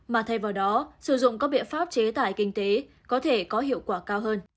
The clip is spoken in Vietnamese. mà thay vào đó sử dụng các biện pháp chế tài kinh tế có thể có hiệu quả cao hơn